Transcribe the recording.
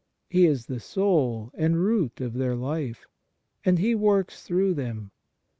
He is the Soul and Root of their life, and He works through them.